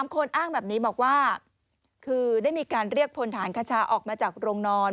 คนอ้างแบบนี้บอกว่าคือได้มีการเรียกพลฐานคชาออกมาจากโรงนอน